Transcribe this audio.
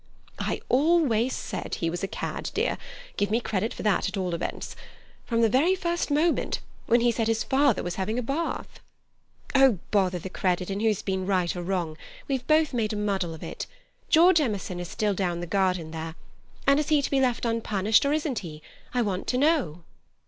"I always said he was a cad, dear. Give me credit for that, at all events. From the very first moment—when he said his father was having a bath." "Oh, bother the credit and who's been right or wrong! We've both made a muddle of it. George Emerson is still down the garden there, and is he to be left unpunished, or isn't he? I want to know."